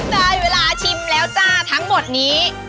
ได้เวลาชิมแล้วจ้าทั้งหมดนี้